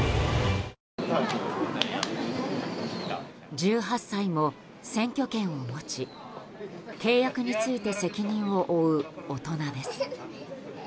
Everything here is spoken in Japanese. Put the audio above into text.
１８歳も選挙権を持ち契約について責任を負う大人です。